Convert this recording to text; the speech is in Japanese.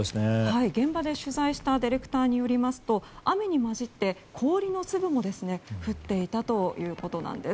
現場で取材したディレクターによりますと雨に交じって、氷の粒も降っていたということなんです。